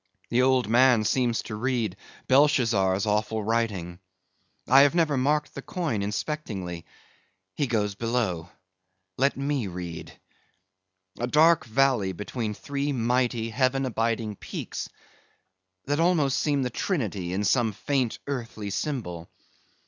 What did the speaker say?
"The old man seems to read Belshazzar's awful writing. I have never marked the coin inspectingly. He goes below; let me read. A dark valley between three mighty, heaven abiding peaks, that almost seem the Trinity, in some faint earthly symbol.